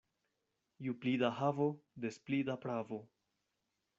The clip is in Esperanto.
Ju pli da havo, des pli da pravo.